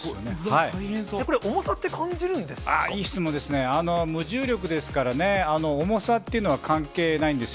やっぱり重さって感じるんでいい質問ですね、無重力ですからね、重さというのは関係ないんですよ。